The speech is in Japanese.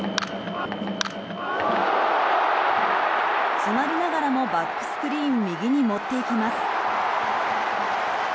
詰まりながらもバックスクリーン右に持っていきます。